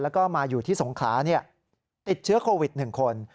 แล้วก็มาอยู่ที่สงขลาติดเชื้อโควิด๑คน